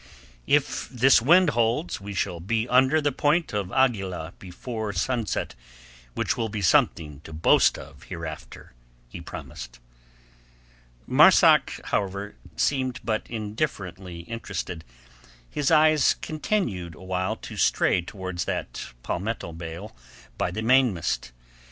"If this wind holds we shall be under the Point of Aguila before sunset, which will be something to boast of hereafter," he promised. Marzak, however, seemed but indifferently interested; his eyes continued awhile to stray towards that palmetto bale by the mainmast.